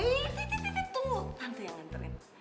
ih ih ih tunggu tante yang nganterin